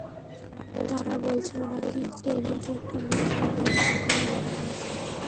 তারা বলছে, ও নাকি টেনিসকোর্টে একটা মেয়ের সামনে ল্যাংটা হয়েছে।